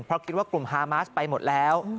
เพราะคิดว่ากลุ่มฮามาสไปหมดแล้ว